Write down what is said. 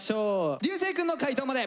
流星くんの解答まで。